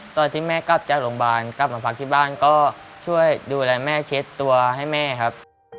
ตอนที่แม่กลับจากโรงพยาบาลกลับมาพักที่บ้านก็ช่วยดูแลแม่เช็ดตัวให้แม่ครับ